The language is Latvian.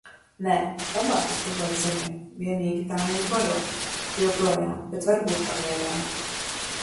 Nē, labāk ir tuvāk zemei. Vienīgi tā mūs baro. Joprojām, bet varbūt pagaidām.